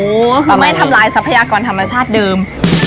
ก็คือไม่ทำลายทรัพยากรธรรมชาติเดิม